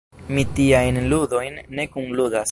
Mi tiajn ludojn ne kunludas.